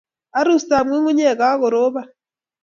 Arustab ngungunyek, kakorobon